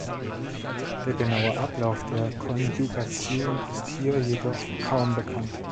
Der genaue Ablauf der Konjugation ist hier jedoch kaum bekannt.